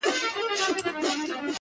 o دښمن څه وايي، چي زړه وايي!